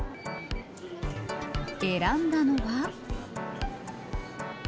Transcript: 選んだのは。